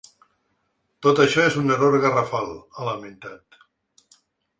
Tot això és un error garrafal, ha lamentat.